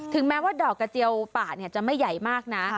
แม้ว่าดอกกระเจียวป่าจะไม่ใหญ่มากนะ